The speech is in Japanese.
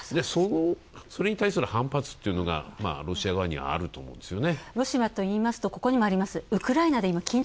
それに対する反発っていうのが、ロシア側にはあるあると思うんですね。